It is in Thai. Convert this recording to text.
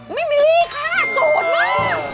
ไม่มีค่ะโสดมาก